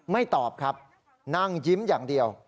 ตอบครับนั่งยิ้มอย่างเดียว